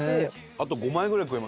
あと５枚ぐらい食えます。